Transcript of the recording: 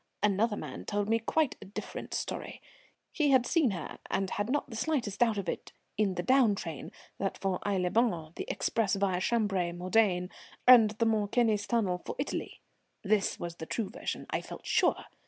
Another man told me quite a different story; he had seen her, and had not the slightest doubt of it, in the down train, that for Aix les Bains, the express via Chambery, Modane, and the Mont Cenis tunnel for Italy. This was the true version, I felt sure.